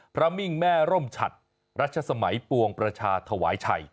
มิ่งแม่ร่มฉัดรัชสมัยปวงประชาถวายชัย